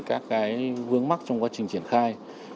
các cái vướng mắc trong quá trình triển khai